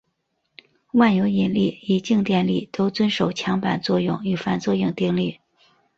万有引力与静电力都遵守强版作用与反作用定律。